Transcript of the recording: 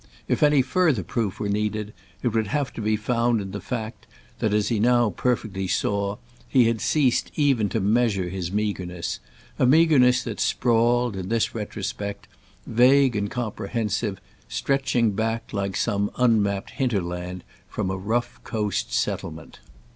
If any further proof were needed it would have been to be found in the fact that, as he perfectly now saw, he had ceased even to measure his meagreness, a meagreness that sprawled, in this retrospect, vague and comprehensive, stretching back like some unmapped Hinterland from a rough coast settlement.